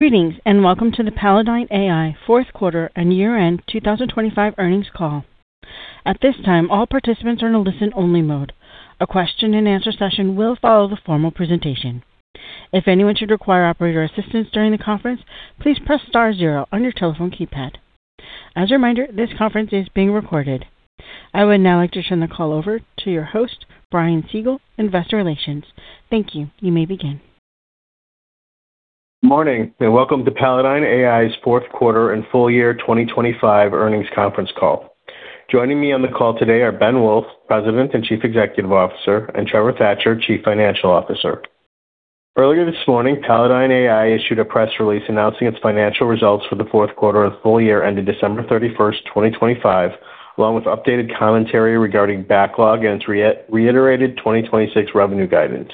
Greetings, and welcome to the Palladyne AI fourth quarter and year-end 2025 earnings call. At this time, all participants are in a listen-only mode. A question and answer session will follow the formal presentation. If anyone should require operator assistance during the conference, please press star zero on your telephone keypad. As a reminder, this conference is being recorded. I would now like to turn the call over to your host, Brian Siegel, Investor Relations. Thank you. You may begin. Morning and welcome to Palladyne AI's fourth quarter and full year 2025 earnings conference call. Joining me on the call today are Ben Wolff, President and Chief Executive Officer, and Trevor Thatcher, Chief Financial Officer. Earlier this morning, Palladyne AI issued a press release announcing its financial results for the fourth quarter of full year ended December 31, 2025, along with updated commentary regarding backlog and its reiterated 2026 revenue guidance.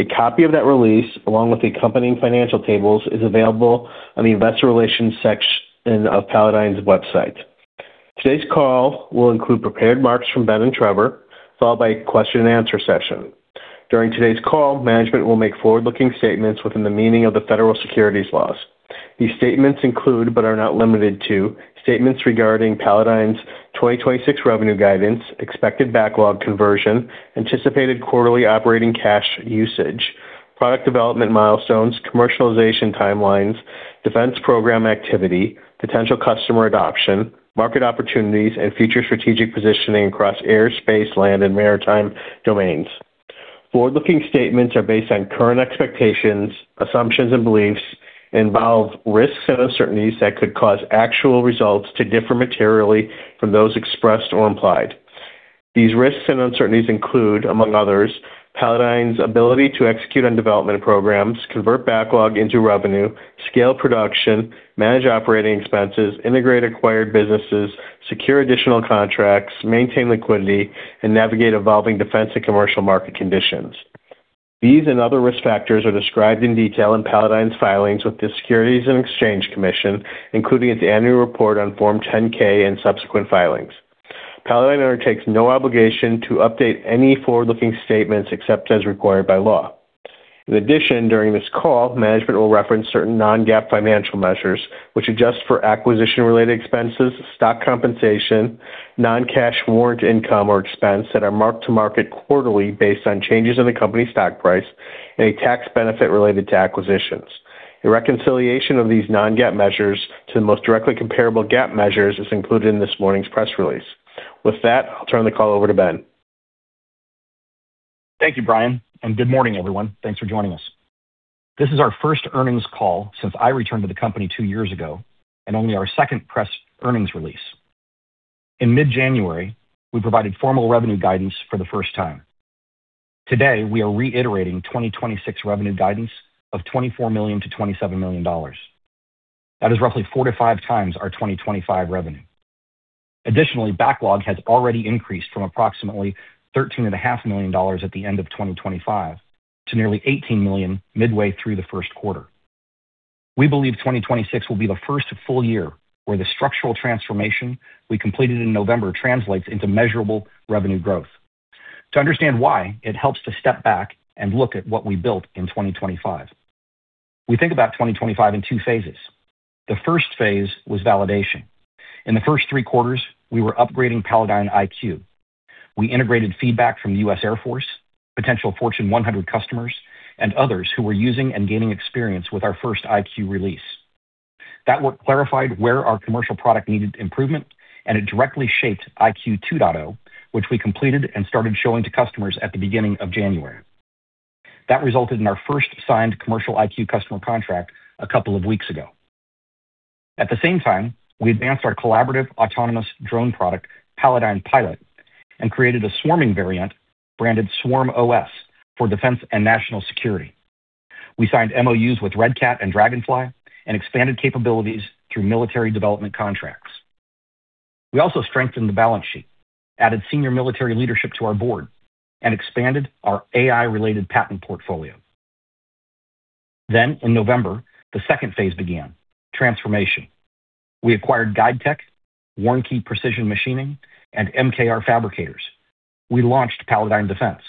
A copy of that release, along with the accompanying financial tables, is available on the investor relations section of Palladyne's website. Today's call will include prepared remarks from Ben and Trevor, followed by a question and answer session. During today's call, management will make forward-looking statements within the meaning of the Federal Securities laws. These statements include, but are not limited to, statements regarding Palladyne's 2026 revenue guidance, expected backlog conversion, anticipated quarterly operating cash usage, product development milestones, commercialization timelines, defense program activity, potential customer adoption, market opportunities, and future strategic positioning across air, space, land, and maritime domains. Forward-looking statements are based on current expectations, assumptions and beliefs and involve risks and uncertainties that could cause actual results to differ materially from those expressed or implied. These risks and uncertainties include, among others, Palladyne's ability to execute on development programs, convert backlog into revenue, scale production, manage operating expenses, integrate acquired businesses, secure additional contracts, maintain liquidity, and navigate evolving defense and commercial market conditions. These and other risk factors are described in detail in Palladyne's filings with the Securities and Exchange Commission, including its annual report on Form 10-K and subsequent filings. Palladyne undertakes no obligation to update any forward-looking statements except as required by law. In addition, during this call, management will reference certain non-GAAP financial measures which adjust for acquisition-related expenses, stock compensation, non-cash warrant income or expense that are marked to market quarterly based on changes in the company's stock price, and a tax benefit related to acquisitions. A reconciliation of these non-GAAP measures to the most directly comparable GAAP measures is included in this morning's press release. With that, I'll turn the call over to Ben. Thank you, Brian. Good morning, everyone. Thanks for joining us. This is our first earnings call since I returned to the company two years ago and only our second press earnings release. In mid-January, we provided formal revenue guidance for the first time. Today, we are reiterating 2026 revenue guidance of $24 million-$27 million. That is roughly 4-5 times our 2025 revenue. Additionally, backlog has already increased from approximately thirteen and a half million dollars at the end of 2025 to nearly $18 million midway through the first quarter. We believe 2026 will be the first full year where the structural transformation we completed in November translates into measurable revenue growth. To understand why it helps to step back and look at what we built in 2025. We think about 2025 in two phases. The first phase was validation. In the first 3 quarters, we were upgrading Palladyne IQ. We integrated feedback from the US Air Force, potential Fortune 100 customers, and others who were using and gaining experience with our first IQ release. That work clarified where our commercial product needed improvement, and it directly shaped IQ 2.0, which we completed and started showing to customers at the beginning of January. That resulted in our first signed commercial IQ customer contract a couple of weeks ago. At the same time, we advanced our collaborative autonomous drone product, Palladyne Pilot, and created a swarming variant branded SwarmOS for Defense and National Security. We signed MOUs with Red Cat and Draganfly and expanded capabilities through military development contracts. We also strengthened the balance sheet, added senior military leadership to our board, and expanded our AI-related patent portfolio. In November, the second phase began: transformation. We acquired GuideTech, Warnke Precision Machining, and MKR Fabricators. We launched Palladyne Defense.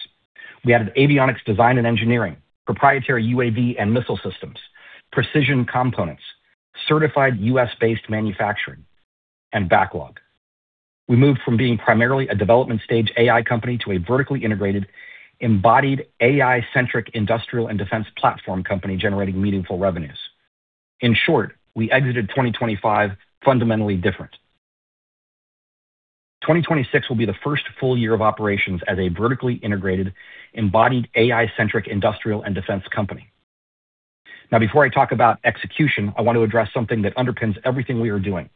We added avionics design and engineering, proprietary UAV and missile systems, precision components, certified U.S.-based manufacturing and backlog. We moved from being primarily a development-stage AI company to a vertically integrated, embodied AI-centric industrial and defense platform company generating meaningful revenues. In short, we exited 2025 fundamentally different. 2026 will be the first full year of operations as a vertically integrated, embodied AI-centric industrial and defense company. Before I talk about execution, I want to address something that underpins everything we are doing.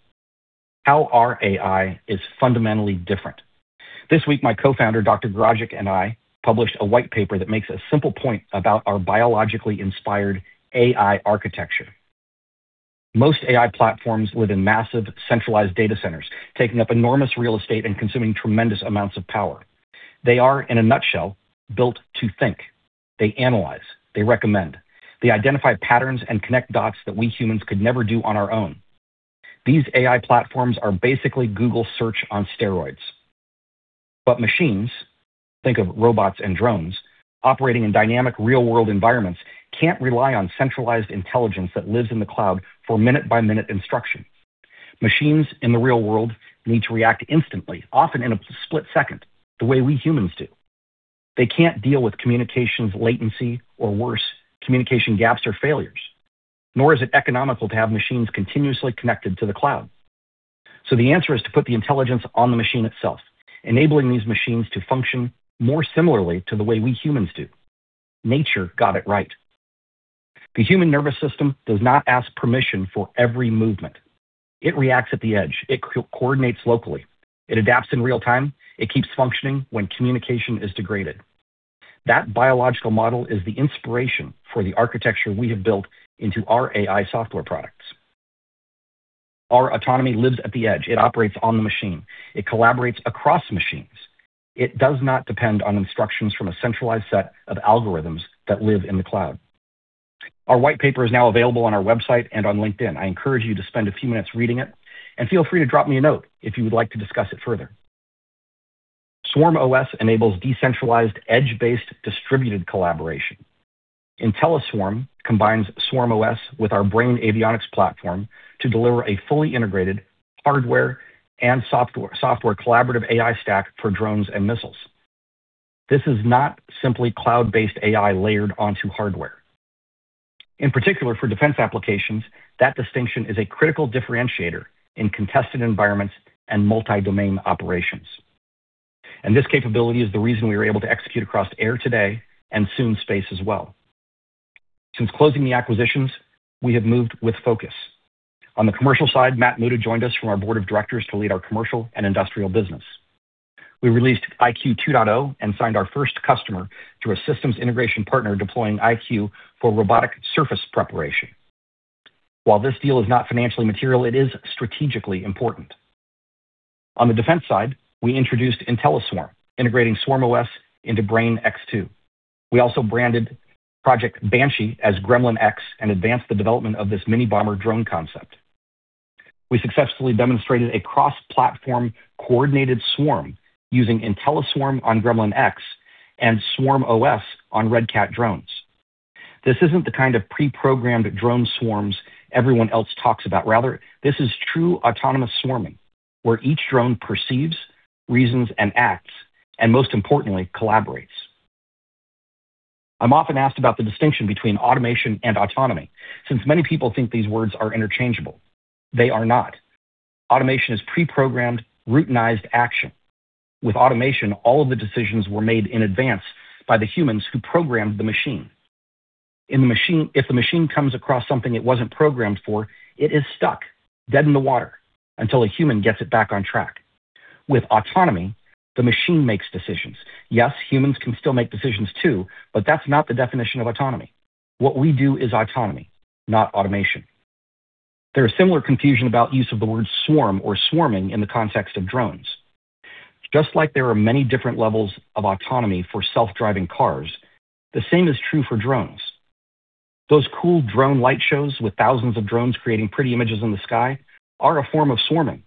How our AI is fundamentally different. This week, my co-founder, Dr. Garagić, and I published a white paper that makes a simple point about our biologically inspired AI architecture. Most AI platforms live in massive centralized data centers, taking up enormous real estate and consuming tremendous amounts of power. They are, in a nutshell, built to think. They analyze, they recommend. They identify patterns and connect dots that we humans could never do on our own. These AI platforms are basically Google search on steroids. Machines, think of robots and drones, operating in dynamic real-world environments can't rely on centralized intelligence that lives in the cloud for minute-by-minute instruction. Machines in the real world need to react instantly, often in a split second, the way we humans do. They can't deal with communications latency or, worse, communication gaps or failures. Nor is it economical to have machines continuously connected to the cloud. The answer is to put the intelligence on the machine itself, enabling these machines to function more similarly to the way we humans do. Nature got it right. The human nervous system does not ask permission for every movement. It reacts at the edge. It coordinates locally. It adapts in real time. It keeps functioning when communication is degraded. That biological model is the inspiration for the architecture we have built into our AI software products. Our autonomy lives at the edge. It operates on the machine. It collaborates across machines. It does not depend on instructions from a centralized set of algorithms that live in the cloud. Our white paper is now available on our website and on LinkedIn. I encourage you to spend a few minutes reading it, and feel free to drop me a note if you would like to discuss it further. SwarmOS enables decentralized, edge-based, distributed collaboration. IntelliSwarm combines SwarmOS with our BRAIN X2 avionics platform to deliver a fully integrated hardware and software collaborative AI stack for drones and missiles. This is not simply cloud-based AI layered onto hardware. In particular, for defense applications, that distinction is a critical differentiator in contested environments and multi-domain operations. This capability is the reason we were able to execute across air today and soon space as well. Since closing the acquisitions, we have moved with focus. On the commercial side, Matthew Muta joined us from our board of directors to lead our commercial and industrial business. We released Palladyne IQ 2.0 and signed our first customer through a systems integration partner deploying Palladyne IQ for robotic surface preparation. While this deal is not financially material, it is strategically important. On the defense side, we introduced IntelliSwarm, integrating SwarmOS into BRAIN X2. We also branded Project Banshee as Gremlin-X and advanced the development of this mini bomber drone concept. We successfully demonstrated a cross-platform coordinated swarm using IntelliSwarm on Gremlin-X and SwarmOS on Red Cat drones. This isn't the kind of pre-programmed drone swarms everyone else talks about. Rather, this is true autonomous swarming, where each drone perceives, reasons, and acts, and most importantly, collaborates. I'm often asked about the distinction between automation and autonomy, since many people think these words are interchangeable. They are not. Automation is pre-programmed, routinized action. With automation, all of the decisions were made in advance by the humans who programmed the machine. If the machine comes across something it wasn't programmed for, it is stuck, dead in the water, until a human gets it back on track. With autonomy, the machine makes decisions. Yes, humans can still make decisions too, but that's not the definition of autonomy. What we do is autonomy, not automation. There is similar confusion about use of the word swarm or swarming in the context of drones. Just like there are many different levels of autonomy for self-driving cars, the same is true for drones. Those cool drone light shows with thousands of drones creating pretty images in the sky are a form of swarming,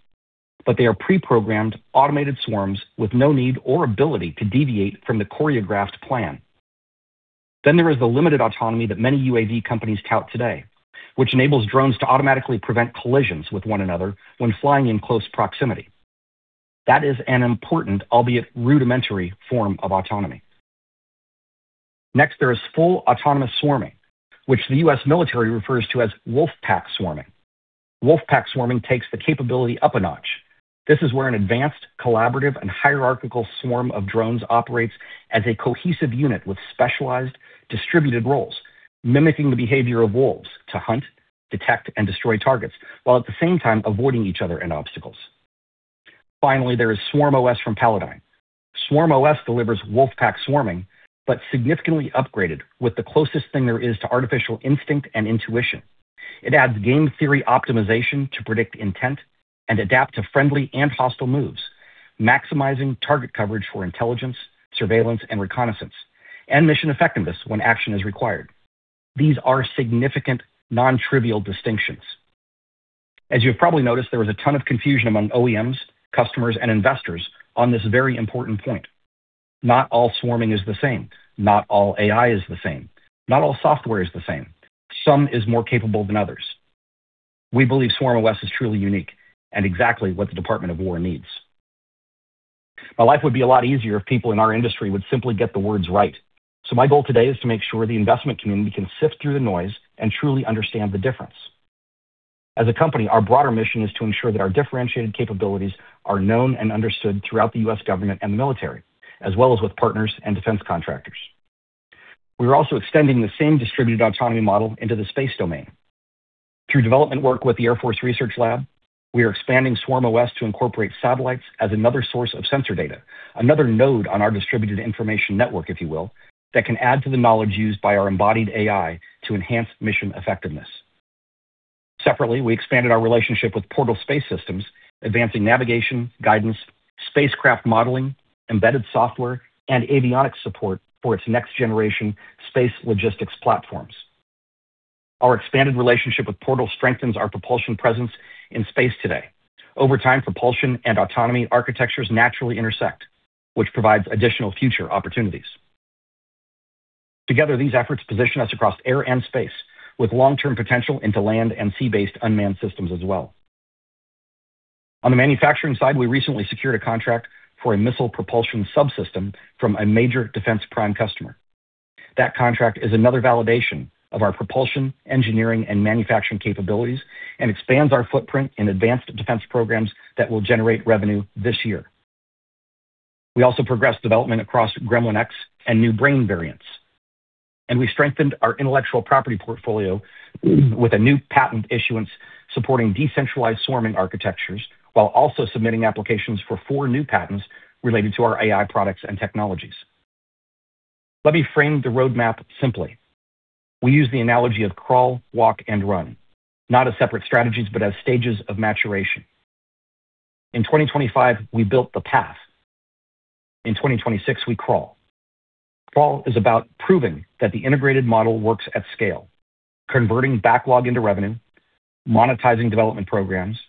but they are pre-programmed automated swarms with no need or ability to deviate from the choreographed plan. There is the limited autonomy that many UAV companies tout today, which enables drones to automatically prevent collisions with one another when flying in close proximity. That is an important, albeit rudimentary, form of autonomy. There is full autonomous swarming, which the U.S. military refers to as wolfpack swarming. wolfpack swarming takes the capability up a notch. This is where an advanced, collaborative, and hierarchical swarm of drones operates as a cohesive unit with specialized distributed roles, mimicking the behavior of wolves to hunt, detect, and destroy targets while at the same time avoiding each other and obstacles. There is SwarmOS from Palladyne. SwarmOS delivers wolfpack swarming, significantly upgraded with the closest thing there is to artificial instinct and intuition. It adds game theory optimization to predict intent and adapt to friendly and hostile moves, maximizing target coverage for intelligence, surveillance, and reconnaissance, and mission effectiveness when action is required. These are significant, non-trivial distinctions. As you've probably noticed, there was a ton of confusion among OEMs, customers, and investors on this very important point. Not all swarming is the same. Not all AI is the same. Not all software is the same. Some is more capable than others. We believe SwarmOS is truly unique and exactly what the Department of War needs. My life would be a lot easier if people in our industry would simply get the words right. My goal today is to make sure the investment community can sift through the noise and truly understand the difference. As a company, our broader mission is to ensure that our differentiated capabilities are known and understood throughout the U.S. government and the military, as well as with partners and defense contractors. We are also extending the same distributed autonomy model into the space domain. Through development work with the Air Force Research Lab, we are expanding SwarmOS to incorporate satellites as another source of sensor data, another node on our distributed information network, if you will, that can add to the knowledge used by our embodied AI to enhance mission effectiveness. Separately, we expanded our relationship with Portal Space Systems, advancing navigation, guidance, spacecraft modeling, embedded software, and avionics support for its next-generation space logistics platforms. Our expanded relationship with Portal strengthens our propulsion presence in space today. Over time, propulsion and autonomy architectures naturally intersect, which provides additional future opportunities. Together, these efforts position us across air and space with long-term potential into land and sea-based unmanned systems as well. On the manufacturing side, we recently secured a contract for a missile propulsion subsystem from a major defense prime customer. That contract is another validation of our propulsion, engineering, and manufacturing capabilities and expands our footprint in advanced defense programs that will generate revenue this year. We also progressed development across Gremlin-X and new brain variants, and we strengthened our intellectual property portfolio with a new patent issuance supporting decentralized swarming architectures while also submitting applications for 4 new patents related to our AI products and technologies. Let me frame the roadmap simply. We use the analogy of crawl, walk, and run, not as separate strategies, but as stages of maturation. In 2025, we built the path. In 2026, we crawl. Crawl is about proving that the integrated model works at scale, converting backlog into revenue, monetizing development programs,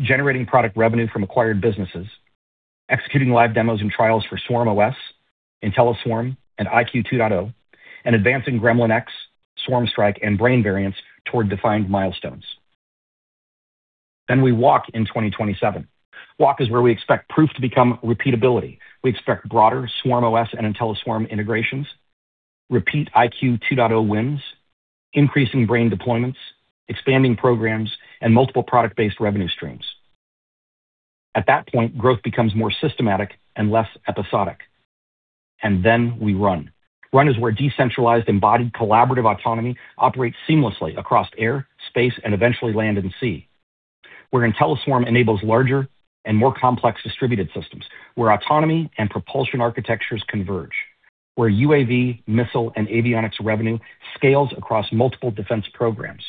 generating product revenue from acquired businesses, executing live demos and trials for SwarmOS, IntelliSwarm and IQ 2.0, and advancing Gremlin-X, Swarm Strike, and BRAIN variants toward defined milestones. We walk in 2027. Walk is where we expect proof to become repeatability. We expect broader SwarmOS and IntelliSwarm integrations, repeat IQ 2.0 wins, increasing BRAIN deployments, expanding programs, and multiple product-based revenue streams. At that point, growth becomes more systematic and less episodic. We run. Run is where decentralized, embodied, collaborative autonomy operates seamlessly across air, space, and eventually land and sea. Where IntelliSwarm enables larger and more complex distributed systems. Where autonomy and propulsion architectures converge. Where UAV, missile, and avionics revenue scales across multiple defense programs.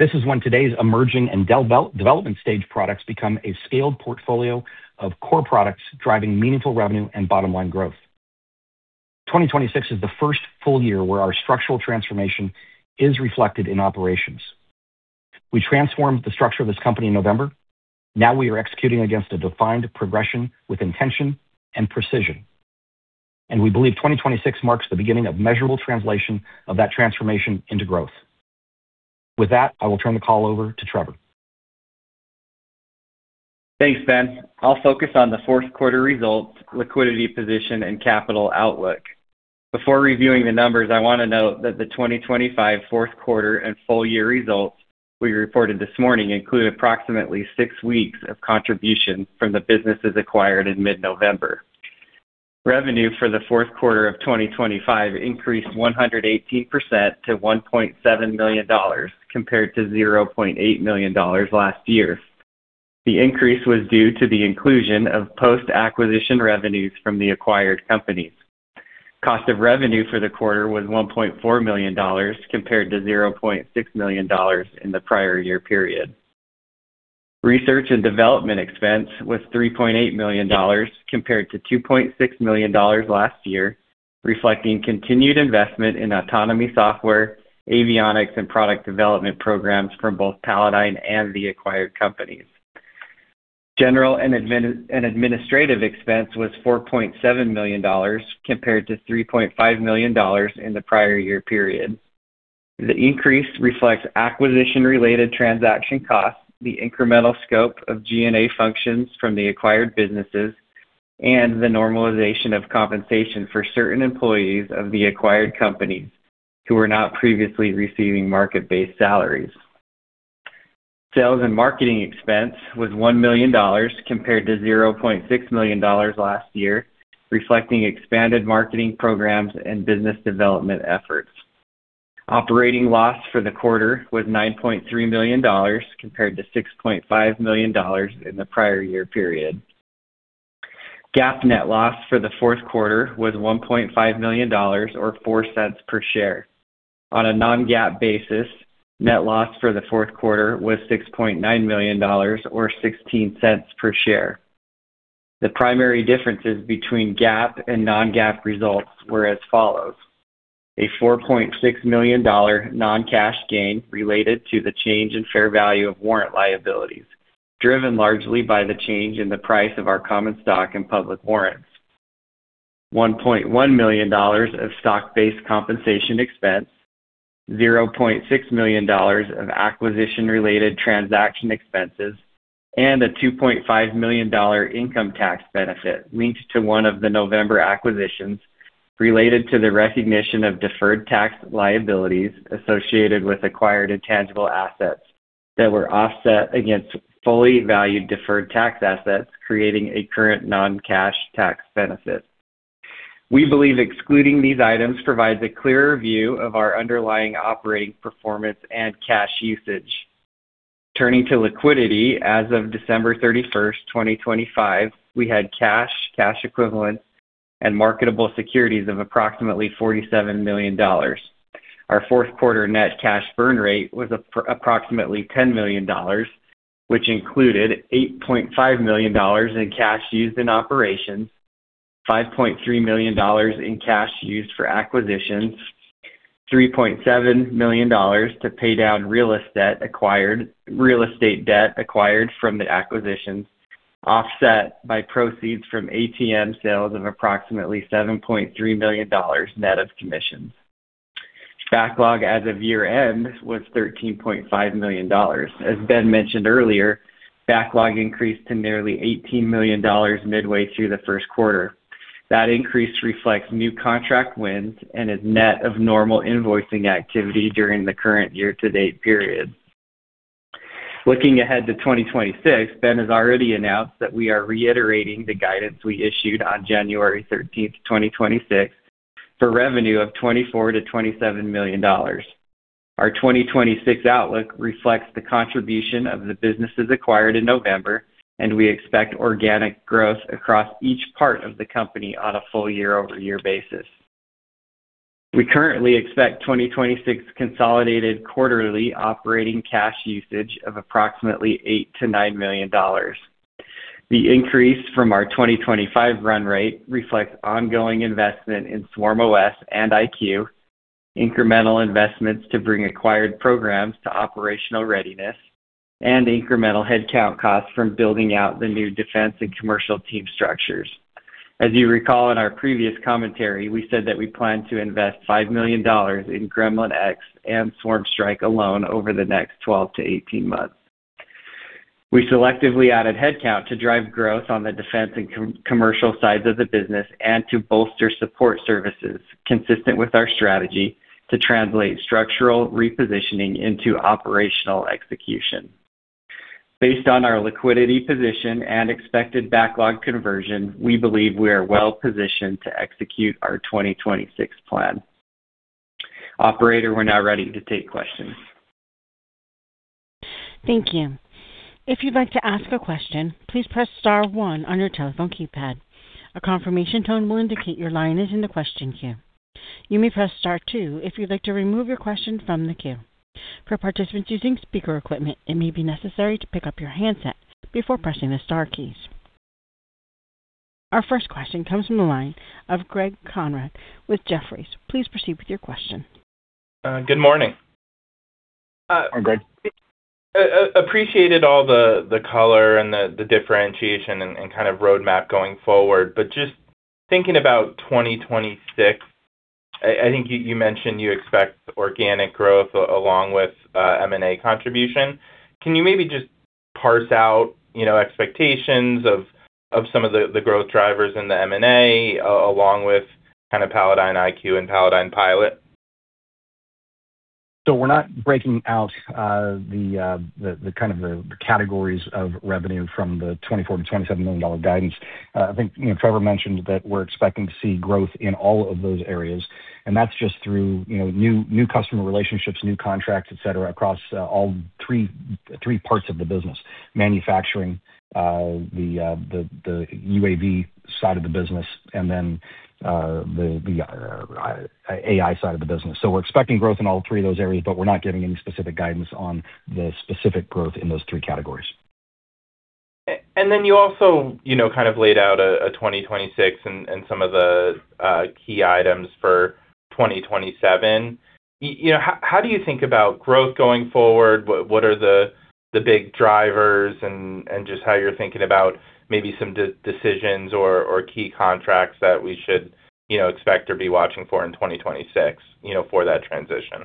This is when today's emerging and development stage products become a scaled portfolio of core products, driving meaningful revenue and bottom-line growth. 2026 is the first full year where our structural transformation is reflected in operations. We transformed the structure of this company in November. We are executing against a defined progression with intention and precision. We believe 2026 marks the beginning of measurable translation of that transformation into growth. With that, I will turn the call over to Trevor. Thanks, Ben. I'll focus on the fourth quarter results, liquidity position and capital outlook. Before reviewing the numbers, I want to note that the 2025 fourth quarter and full-year results we reported this morning include approximately 6 weeks of contribution from the businesses acquired in mid-November. Revenue for the fourth quarter of 2025 increased 118% to $1.7 million compared to $0.8 million last year. The increase was due to the inclusion of post-acquisition revenues from the acquired companies. Cost of revenue for the quarter was $1.4 million compared to $0.6 million in the prior year period. Research and development expense was $3.8 million compared to $2.6 million last year, reflecting continued investment in autonomy software, avionics, and product development programs from both Palladyne and the acquired companies. General and administrative expense was $4.7 million compared to $3.5 million in the prior year period. The increase reflects acquisition-related transaction costs, the incremental scope of G&A functions from the acquired businesses, and the normalization of compensation for certain employees of the acquired companies who were not previously receiving market-based salaries. Sales and marketing expense was $1 million compared to $0.6 million last year, reflecting expanded marketing programs and business development efforts. Operating loss for the quarter was $9.3 million compared to $6.5 million in the prior year period. GAAP net loss for the fourth quarter was $1.5 million or $0.04 per share. On a non-GAAP basis, net loss for the fourth quarter was $6.9 million or $0.16 per share. The primary differences between GAAP and non-GAAP results were as follows: A $46 million non-cash gain related to the change in fair value of warrant liabilities, driven largely by the change in the price of our common stock and public warrants. $1.1 million of stock-based compensation expense, $0.6 million of acquisition-related transaction expenses, and a $2.5 million income tax benefit linked to one of the November acquisitions related to the recognition of deferred tax liabilities associated with acquired intangible assets that were offset against fully valued deferred tax assets, creating a current non-cash tax benefit. We believe excluding these items provides a clearer view of our underlying operating performance and cash usage. Turning to liquidity, as of December 31st, 2025, we had cash equivalents, and marketable securities of approximately $47 million. Our fourth quarter net cash burn rate was approximately $10 million, which included $8.5 million in cash used in operations. $5.3 million in cash used for acquisitions, $3.7 million to pay down real estate debt acquired from the acquisitions, offset by proceeds from ATM sales of approximately $7.3 million net of commissions. Backlog as of year-end was $13.5 million. As Ben mentioned earlier, backlog increased to nearly $18 million midway through the first quarter. That increase reflects new contract wins and is net of normal invoicing activity during the current year-to-date period. Looking ahead to 2026, Ben has already announced that we are reiterating the guidance we issued on January 13th, 2026 for revenue of $24 million-$27 million. Our 2026 outlook reflects the contribution of the businesses acquired in November. We expect organic growth across each part of the company on a full year-over-year basis. We currently expect 2026 consolidated quarterly operating cash usage of approximately $8 million-$9 million. The increase from our 2025 run rate reflects ongoing investment in SwarmOS and IQ, incremental investments to bring acquired programs to operational readiness, and incremental headcount costs from building out the new defense and commercial team structures. As you recall, in our previous commentary, we said that we plan to invest $5 million in Gremlin-X and Project SwarmStrike alone over the next 12 to 18 months. We selectively added headcount to drive growth on the defense and commercial sides of the business and to bolster support services consistent with our strategy to translate structural repositioning into operational execution. Based on our liquidity position and expected backlog conversion, we believe we are well-positioned to execute our 2026 plan. Operator, we're now ready to take questions. Thank you. If you'd like to ask a question, please press star one on your telephone keypad. A confirmation tone will indicate your line is in the question queue. You may press star two if you'd like to remove your question from the queue. For participants using speaker equipment, it may be necessary to pick up your handset before pressing the star keys. Our first question comes from the line of Gregory Konrad with Jefferies. Please proceed with your question. Good morning. Hi, Greg. Appreciated all the color and the differentiation and kind of roadmap going forward. Just thinking about 2026, I think you mentioned you expect organic growth along with M&A contribution. Can you maybe just parse out, you know, expectations of some of the growth drivers in the M&A along with kind of Palladyne IQ and Palladyne Pilot? We're not breaking out the kind of the categories of revenue from the $24 million-$27 million guidance. I think, you know, Trevor mentioned that we're expecting to see growth in all of those areas, and that's just through, you know, new customer relationships, new contracts, et cetera, across all three parts of the business. Manufacturing, the UAV side of the business, and then the AI side of the business. We're expecting growth in all three of those areas, but we're not giving any specific guidance on the specific growth in those three categories. Then you also, you know, kind of laid out a 2026 and some of the key items for 2027. You know, how do you think about growth going forward? What are the big drivers and just how you're thinking about maybe some decisions or key contracts that we should, you know, expect or be watching for in 2026, you know, for that transition?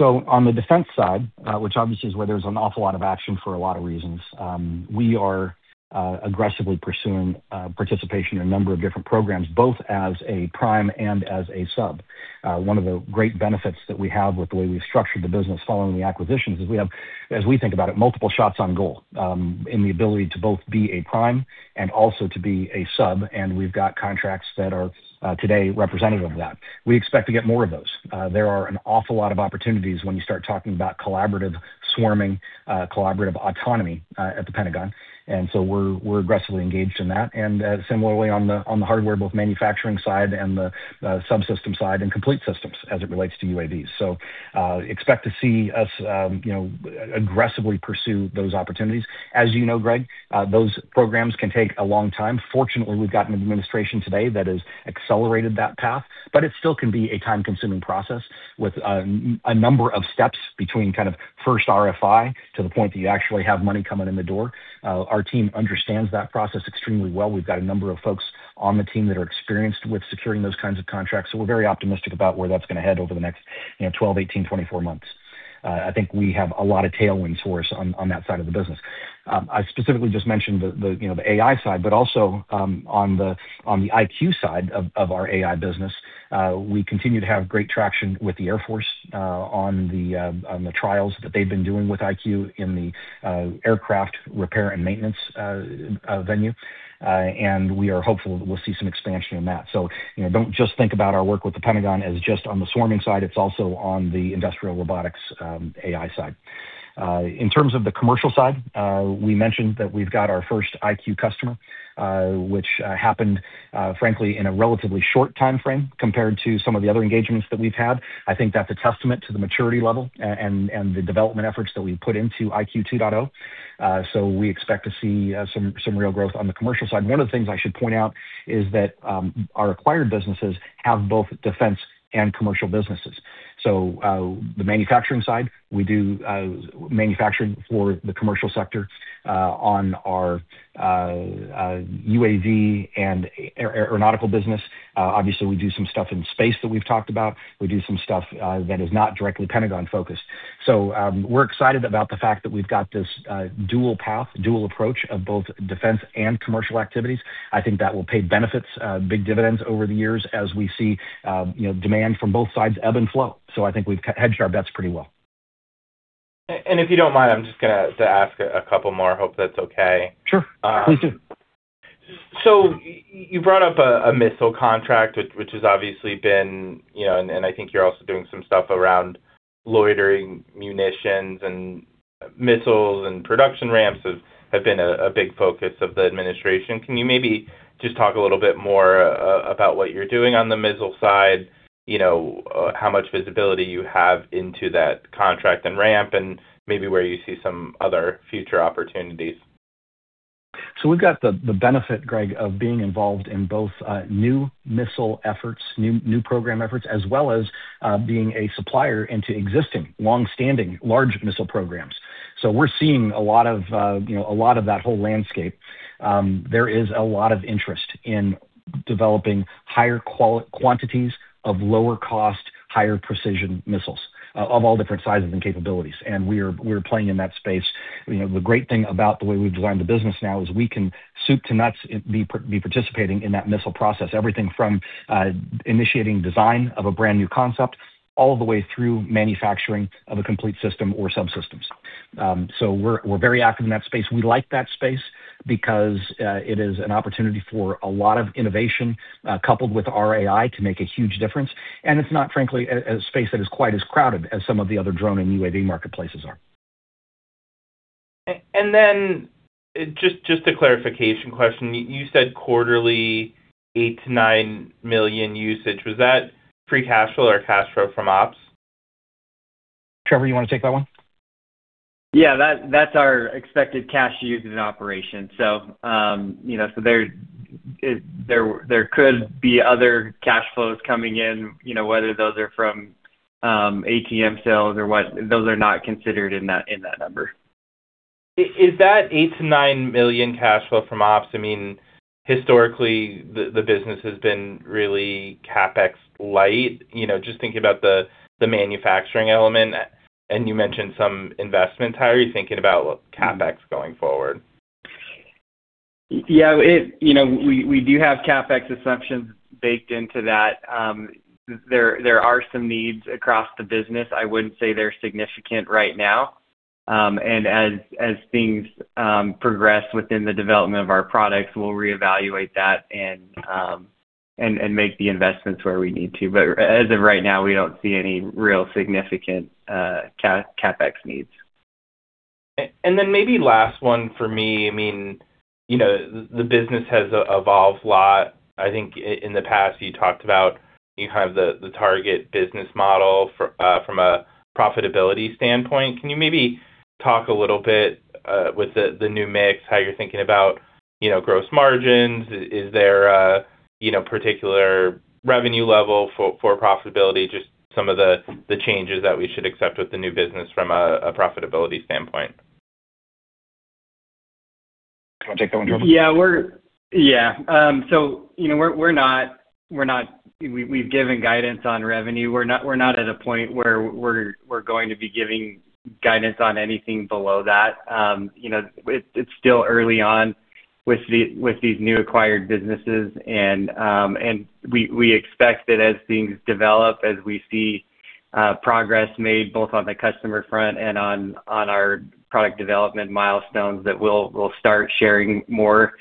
On the defense side, which obviously is where there's an awful lot of action for a lot of reasons, we are aggressively pursuing participation in a number of different programs, both as a prime and as a sub. One of the great benefits that we have with the way we've structured the business following the acquisitions is we have, as we think about it, multiple shots on goal, in the ability to both be a prime and also to be a sub. We've got contracts that are today representative of that. We expect to get more of those. There are an awful lot of opportunities when you start talking about collaborative swarming, collaborative autonomy, at the Pentagon. We're aggressively engaged in that. Similarly on the, on the hardware, both manufacturing side and the subsystem side and complete systems as it relates to UAVs. Expect to see us, you know, aggressively pursue those opportunities. As you know, Greg, those programs can take a long time. Fortunately, we've got an administration today that has accelerated that path, but it still can be a time-consuming process with a number of steps between kind of first RFI to the point that you actually have money coming in the door. Our team understands that process extremely well. We've got a number of folks on the team that are experienced with securing those kinds of contracts, so we're very optimistic about where that's gonna head over the next, you know, 12, 18, 24 months. I think we have a lot of tailwinds for us on that side of the business. I specifically just mentioned the, you know, the AI side, but also on the IQ side of our AI business, we continue to have great traction with the Air Force on the trials that they've been doing with IQ in the aircraft repair and maintenance venue. We are hopeful that we'll see some expansion in that. You know, don't just think about our work with the Pentagon as just on the swarming side, it's also on the industrial robotics AI side. In terms of the commercial side, we mentioned that we've got our first IQ customer, which happened frankly, in a relatively short timeframe compared to some of the other engagements that we've had. I think that's a testament to the maturity level and the development efforts that we've put into IQ 2.0, so we expect to see some real growth on the commercial side. One of the things I should point out is that our acquired businesses have both defense and commercial businesses. The manufacturing side, we do manufacturing for the commercial sector on our UAV and aeronautical business. Obviously, we do some stuff in space that we've talked about. We do some stuff that is not directly Pentagon-focused. We're excited about the fact that we've got this dual path, dual approach of both defense and commercial activities. I think that will pay benefits, big dividends over the years as we see, you know, demand from both sides ebb and flow. I think we've hedged our bets pretty well. If you don't mind, I'm just to ask a couple more. Hope that's okay. Sure. Please do. You brought up a missile contract, which has obviously been, you know, and I think you're also doing some stuff around loitering munitions and missiles and production ramps have been a big focus of the administration. Can you maybe just talk a little bit more about what you're doing on the missile side, you know, how much visibility you have into that contract and ramp, and maybe where you see some other future opportunities? We've got the benefit, Greg, of being involved in both, new missile efforts, new program efforts, as well as, being a supplier into existing, long-standing, large missile programs. We're seeing a lot of, you know, a lot of that whole landscape. There is a lot of interest in developing higher quantities of lower cost, higher precision missiles, of all different sizes and capabilities, and we're playing in that space. You know, the great thing about the way we've designed the business now is we can soup to nuts be participating in that missile process. Everything from, initiating design of a brand-new concept, all the way through manufacturing of a complete system or subsystems. We're very active in that space. We like that space because it is an opportunity for a lot of innovation, coupled with our AI to make a huge difference. It's not, frankly, a space that is quite as crowded as some of the other drone and UAV marketplaces are. Then just a clarification question. You said quarterly $8 million-$9 million usage. Was that free cash flow or cash flow from ops? Trevor, you wanna take that one? Yeah. That's our expected cash usage in operation. You know, there could be other cash flows coming in, you know, whether those are from ATM sales or what. Those are not considered in that number. Is that $8 million-$9 million cash flow from ops? I mean, historically, the business has been really CapEx light. You know, just thinking about the manufacturing element. You mentioned some investments. How are you thinking about CapEx going forward? Yeah. You know, we do have CapEx assumptions baked into that. There are some needs across the business. I wouldn't say they're significant right now. And as things progress within the development of our products, we'll reevaluate that and make the investments where we need to. As of right now, we don't see any real significant CapEx needs. Then maybe last one for me. I mean, you know, the business has evolved a lot. I think in the past, you talked about you have the target business model from a profitability standpoint. Can you maybe talk a little bit with the new mix, how you're thinking about, you know, gross margins? Is there a, you know, particular revenue level for profitability? Just some of the changes that we should accept with the new business from a profitability standpoint? You wanna take that one, Trevor? Yeah. Yeah. you know, we're not We've given guidance on revenue. We're not at a point where we're going to be giving guidance on anything below that. you know, it's still early on with these new acquired businesses. We expect that as things develop, as we see progress made both on the customer front and on our product development milestones, that we'll start sharing more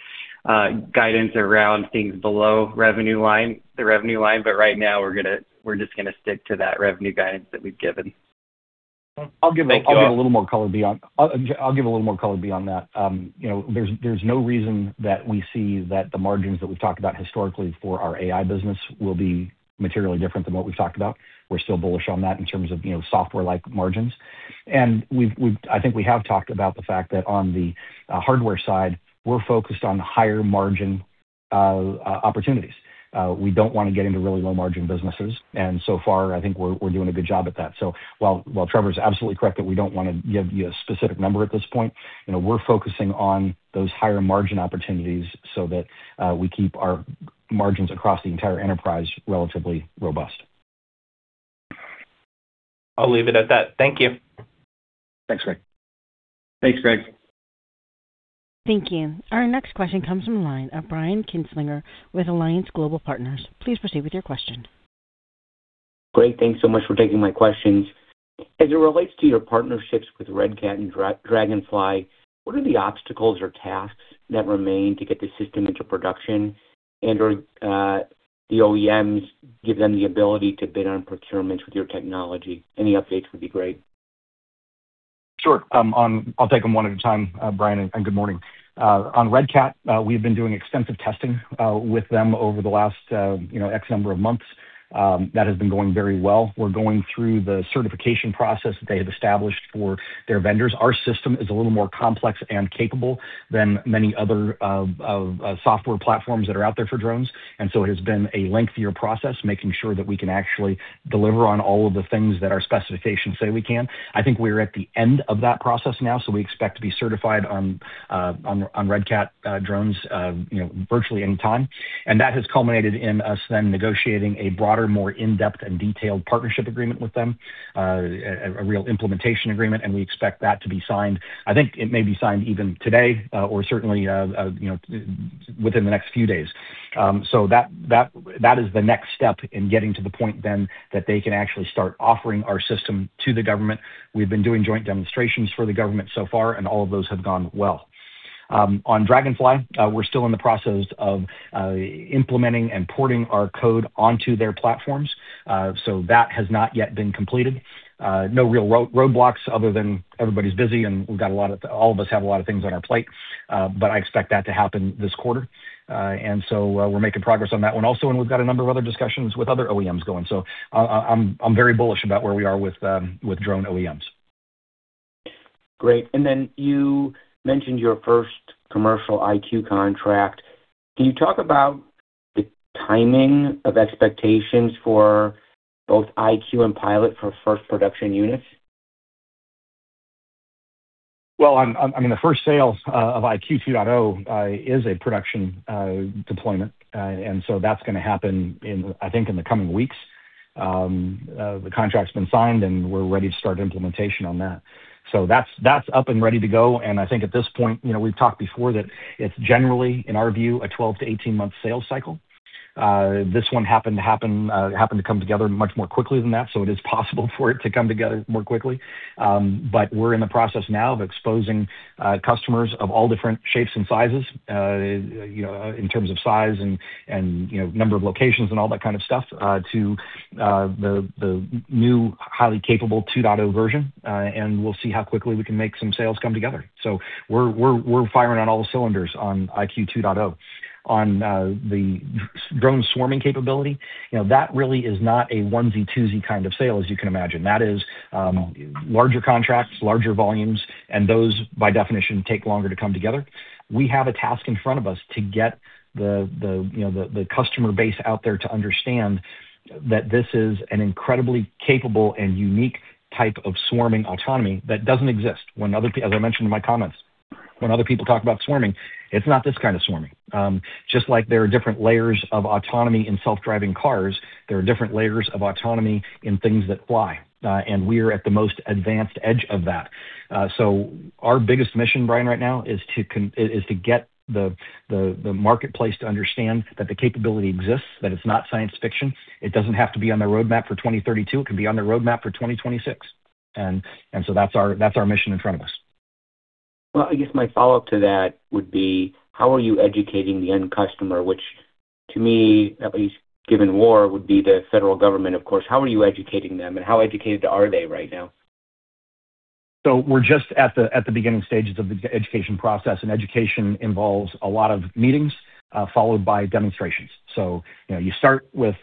guidance around things below the revenue line. Right now we're just gonna stick to that revenue guidance that we've given. Thank you all. I'll give a little more color beyond that. You know, there's no reason that we see that the margins that we've talked about historically for our AI business will be materially different than what we've talked about. We're still bullish on that in terms of, you know, software-like margins. I think we have talked about the fact that on the hardware side, we're focused on higher margin opportunities. We don't wanna get into really low margin businesses, and so far, I think we're doing a good job at that. While Trevor's absolutely correct that we don't wanna give you a specific number at this point, you know, we're focusing on those higher margin opportunities so that we keep our margins across the entire enterprise relatively robust. I'll leave it at that. Thank you. Thanks, Greg. Thanks, Greg. Thank you. Our next question comes from the line of Brian Kinstlinger with Alliance Global Partners. Please proceed with your question. Great. Thanks so much for taking my questions. As it relates to your partnerships with Red Cat and Draganfly, what are the obstacles or tasks that remain to get the system into production and/or the OEMs give them the ability to bid on procurements with your technology? Any updates would be great. Sure. I'll take them one at a time, Brian, and good morning. On Red Cat, we've been doing extensive testing with them over the last, you know, X number of months. That has been going very well. We're going through the certification process that they have established for their vendors. Our system is a little more complex and capable than many other software platforms that are out there for drones. It has been a lengthier process, making sure that we can actually deliver on all of the things that our specifications say we can. I think we're at the end of that process now, so we expect to be certified on Red Cat drones, you know, virtually any time. That has culminated in us then negotiating a broader, more in-depth and detailed partnership agreement with them, a real implementation agreement, and we expect that to be signed. I think it may be signed even today or certainly, you know, within the next few days. That is the next step in getting to the point then that they can actually start offering our system to the government. We've been doing joint demonstrations for the government so far, and all of those have gone well. On Draganfly, we're still in the process of implementing and porting our code onto their platforms. That has not yet been completed. No real roadblocks other than everybody's busy, and we've got all of us have a lot of things on our plate. I expect that to happen this quarter. We're making progress on that one also, and we've got a number of other discussions with other OEMs going. I'm very bullish about where we are with drone OEMs. Great. You mentioned your first commercial IQ contract. Can you talk about the timing of expectations for both IQ and Pilot for first production units? Well, I mean, the first sale of IQ 2.0 is a production deployment. That's gonna happen in, I think, in the coming weeks. The contract's been signed, and we're ready to start implementation on that. That's up and ready to go. I think at this point, you know, we've talked before that it's generally, in our view, a 12- to 18-month sales cycle. This one happened to come together much more quickly than that, so it is possible for it to come together more quickly. We're in the process now of exposing customers of all different shapes and sizes, you know, in terms of size and, you know, number of locations and all that kind of stuff, to the new, highly capable 2.0 version, and we'll see how quickly we can make some sales come together. We're firing on all the cylinders on IQ 2.0. On the drone swarming capability, you know, that really is not a onesie-twosie kind of sale, as you can imagine. That is larger contracts, larger volumes, and those, by definition, take longer to come together. We have a task in front of us to get the, you know, the customer base out there to understand that this is an incredibly capable and unique type of swarming autonomy that doesn't exist. When other as I mentioned in my comments, when other people talk about swarming, it's not this kind of swarming. Just like there are different layers of autonomy in self-driving cars, there are different layers of autonomy in things that fly. We are at the most advanced edge of that. Our biggest mission, Brian, right now is to get the marketplace to understand that the capability exists, that it's not science fiction. It doesn't have to be on their roadmap for 2032. It could be on their roadmap for 2026. That's our mission in front of us. I guess my follow-up to that would be, how are you educating the end customer? Which to me, at least given war, would be the federal government, of course. How are you educating them, and how educated are they right now? We're just at the beginning stages of the education process, and education involves a lot of meetings, followed by demonstrations. You know, you start with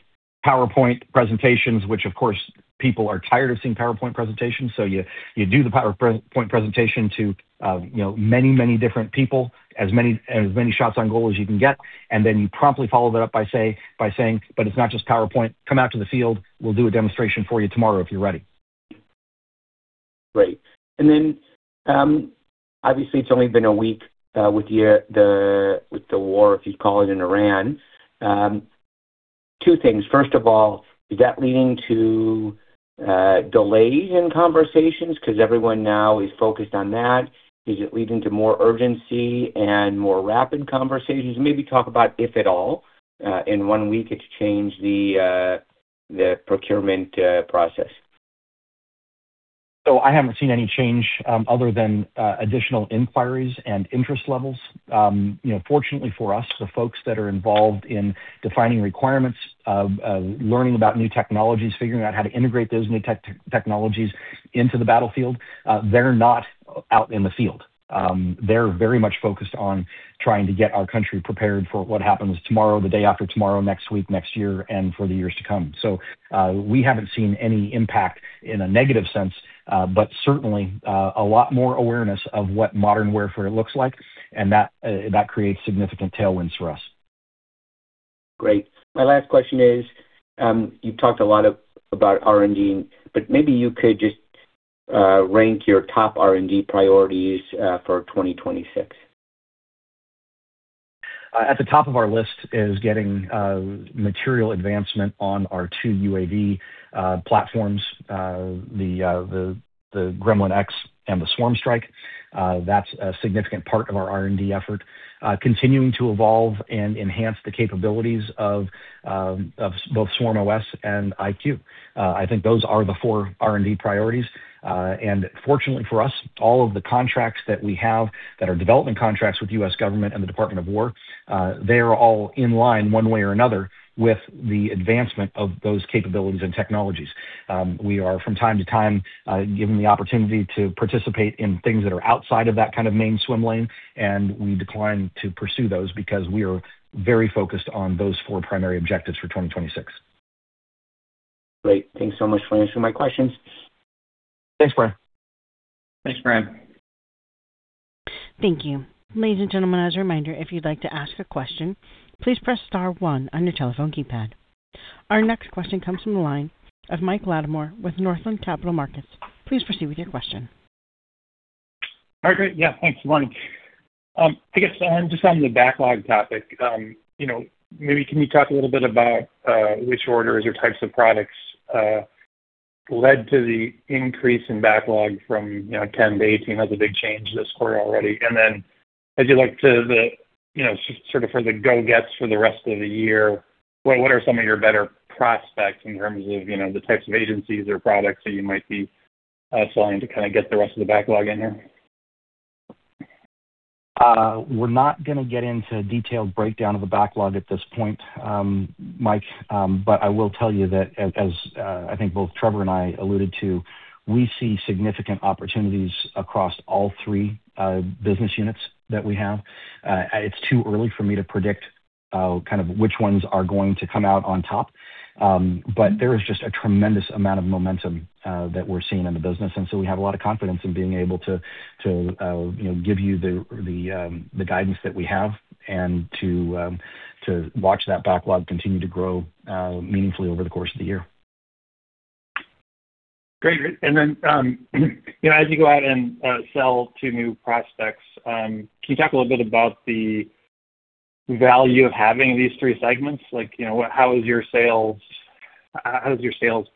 PowerPoint presentations, which of course, people are tired of seeing PowerPoint presentations. You do the PowerPoint presentation to, you know, many different people, as many shots on goal as you can get, and then you promptly follow that up by saying, "It's not just PowerPoint. Come out to the field. We'll do a demonstration for you tomorrow if you're ready. Great. Then, obviously it's only been one week with the war, if you call it, in Iran. Two things. First of all, is that leading to delays in conversations because everyone now is focused on that? Does it lead into more urgency and more rapid conversations? Maybe talk about, if at all, in one week it's changed the procurement process. I haven't seen any change, other than additional inquiries and interest levels. You know, fortunately for us, the folks that are involved in defining requirements, learning about new technologies, figuring out how to integrate those new technologies into the battlefield, they're not out in the field. They're very much focused on trying to get our country prepared for what happens tomorrow, the day after tomorrow, next week, next year, and for the years to come. We haven't seen any impact in a negative sense, but certainly, a lot more awareness of what modern warfare looks like, and that creates significant tailwinds for us. Great. My last question is, you've talked a lot about R&D, but maybe you could just rank your top R&D priorities for 2026? At the top of our list is getting material advancement on our 2 UAV platforms, the Gremlin X and the Project SwarmStrike. That's a significant part of our R&D effort. Continuing to evolve and enhance the capabilities of both SwarmOS and IQ. I think those are the 4 R&D priorities. Fortunately for us, all of the contracts that we have that are development contracts with U.S. government and the Department of Defense, they are all in line, one way or another, with the advancement of those capabilities and technologies. We are from time to time given the opportunity to participate in things that are outside of that kind of main swim lane, and we decline to pursue those because we are very focused on those 4 primary objectives for 2026. Great. Thanks so much for answering my questions. Thanks, Brian. Thanks, Brian. Thank you. Ladies and gentlemen, as a reminder, if you'd like to ask a question, please press star one on your telephone keypad. Our next question comes from the line of Michael Latimore with Northland Capital Markets. Please proceed with your question. All right, great. Yeah, thanks. Good morning. I guess, just on the backlog topic, you know, maybe can you talk a little bit about which orders or types of products led to the increase in backlog from, you know, 10 to 18? That's a big change this quarter already. As you look to the, you know, sort of for the go gets for the rest of the year, what are some of your better prospects in terms of, you know, the types of agencies or products that you might be selling to kind of get the rest of the backlog in here? We're not gonna get into a detailed breakdown of the backlog at this point, Mike. I will tell you that as, I think both Trevor and I alluded to, we see significant opportunities across all three business units that we have. It's too early for me to predict kind of which ones are going to come out on top. There is just a tremendous amount of momentum that we're seeing in the business. We have a lot of confidence in being able to, you know, give you the guidance that we have and to watch that backlog continue to grow meaningfully over the course of the year. Great. You know, as you go out and sell to new prospects, can you talk a little bit about the value of having these three segments? Like, you know, how is your sales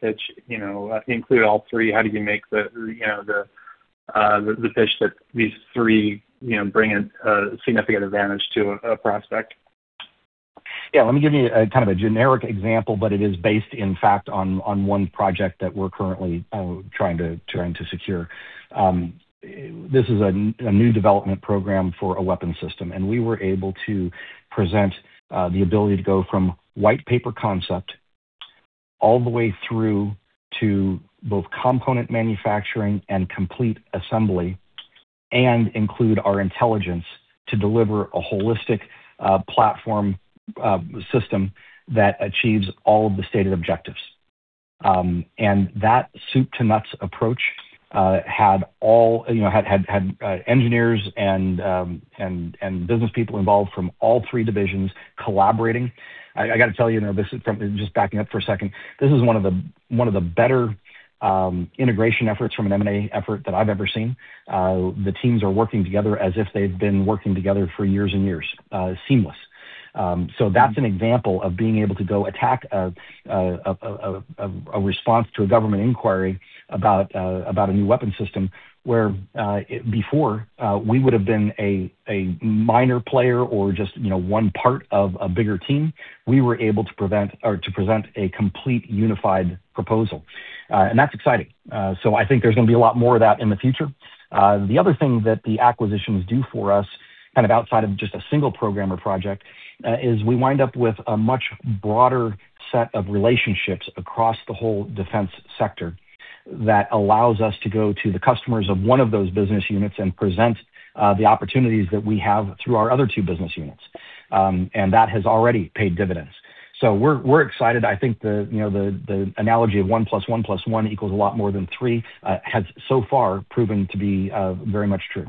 pitch, you know, include all three? How do you make the, you know, the pitch that these three, you know, bring a significant advantage to a prospect? Yeah, let me give you a kind of a generic example. It is based, in fact, on one project that we're currently trying to secure. This is a new development program for a weapon system. We were able to present the ability to go from white paper concept all the way through to both component manufacturing and complete assembly and include our intelligence to deliver a holistic platform system that achieves all of the stated objectives. That soup to nuts approach had all, you know, had engineers and business people involved from all three divisions collaborating. I got to tell you know, Just backing up for a second. This is one of the better integration efforts from an M&A effort that I've ever seen. The teams are working together as if they've been working together for years and years, seamless. That's an example of being able to go attack a response to a government inquiry about a new weapon system, where before, we would have been a minor player or just, you know, one part of a bigger team. We were able to present a complete, unified proposal. That's exciting. I think there's gonna be a lot more of that in the future. The other thing that the acquisitions do for us, kind of outside of just a single program or project, is we wind up with a much broader set of relationships across the whole defense sector that allows us to go to the customers of one of those business units and present, the opportunities that we have through our other two business units. That has already paid dividends. We're excited. I think the, you know, the analogy of one plus one plus one equals a lot more than three, has so far proven to be very much true.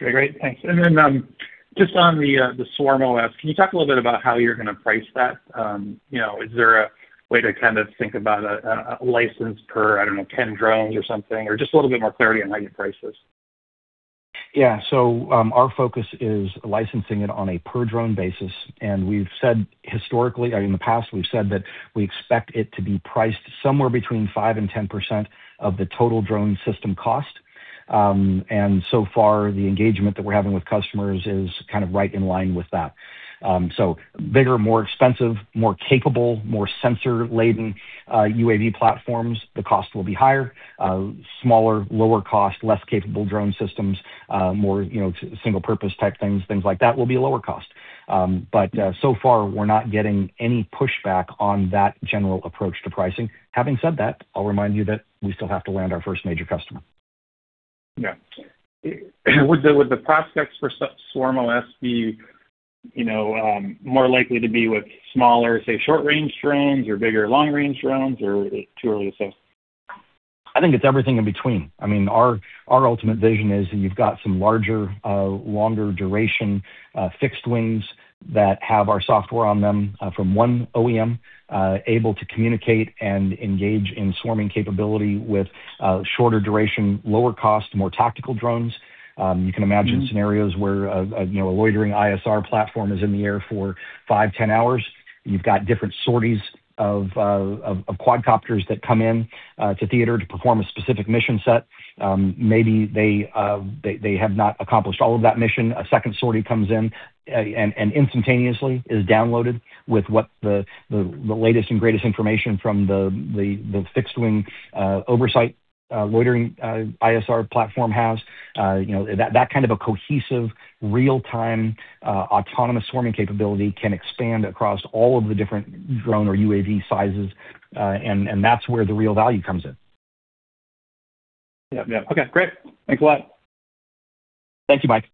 Okay, great. Thanks. Then, just on the SwarmOS, can you talk a little bit about how you're gonna price that? You know, is there a way to kind of think about a license per, I don't know, 10 drones or something? Or just a little bit more clarity on how you'd price this? Yeah. Our focus is licensing it on a per drone basis. We've said historically, or in the past, we've said that we expect it to be priced somewhere between 5% and 10% of the total drone system cost. So far, the engagement that we're having with customers is kind of right in line with that. Bigger, more expensive, more capable, more sensor-laden, UAV platforms, the cost will be higher. Smaller, lower cost, less capable drone systems, more, you know, single purpose type things like that, will be lower cost. So far, we're not getting any pushback on that general approach to pricing. Having said that, I'll remind you that we still have to land our first major customer. Yeah. Would the prospects for SwarmOS be, you know, more likely to be with smaller, say, short-range drones or bigger long-range drones or too early to say? I think it's everything in between. I mean, our ultimate vision is you've got some larger, longer duration, fixed wings that have our software on them, from one OEM, able to communicate and engage in swarming capability with shorter duration, lower cost, more tactical drones. You can imagine scenarios where, you know, a loitering ISR platform is in the air for 5, 10 hours. You've got different sorties of quadcopters that come in to theater to perform a specific mission set. Maybe they have not accomplished all of that mission. A second sortie comes in and instantaneously is downloaded with what the latest and greatest information from the fixed wing oversight loitering ISR platform has. You know, that kind of a cohesive real-time, autonomous swarming capability can expand across all of the different drone or UAV sizes. That's where the real value comes in. Yep. Yep. Okay, great. Thanks a lot. Thank you, Mike.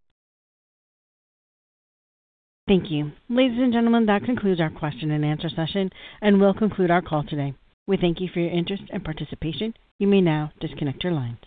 Thank you. Ladies and gentlemen, that concludes our question and answer session, and we'll conclude our call today. We thank you for your interest and participation. You may now disconnect your lines.